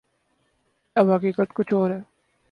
اب حقیقت کچھ اور ہے۔